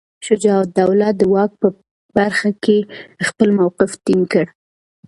شجاع الدوله د واک په برخه کې خپل موقف ټینګ کړ.